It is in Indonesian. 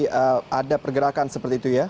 masih ada pergerakan seperti itu ya